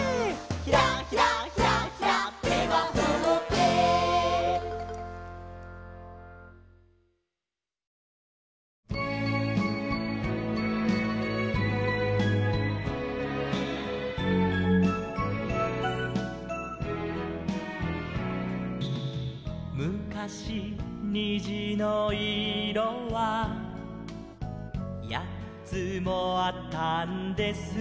「ひらひらひらひら」「手はほっぺ」「むかしにじのいろは８つもあったんです」